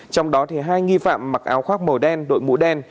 trong đó hai nghi phạm mặc áo khoác màu đen đội mũ đen